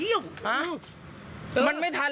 มึงนึกว่าข้ามเขาบ้าง